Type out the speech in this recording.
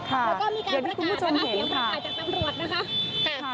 แล้วก็มีการประกาศแล้วก็เสียงประกาศจากตำรวจนะคะ